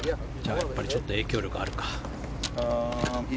やっぱりちょっと影響力はあるか。